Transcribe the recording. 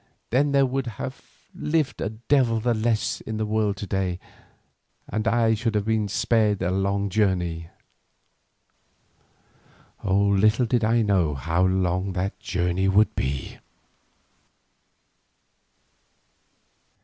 "Then there would have lived a devil the less in the world to day, and I should have been spared a long journey." Little did I know how long that journey would be!